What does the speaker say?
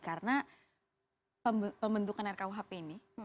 karena pembentukan rkuhp ini